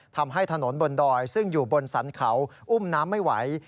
ทำให้ถนนบนดอยซึ่งอยู่บนสรรเขาอุ้มน้ำไม่ไหว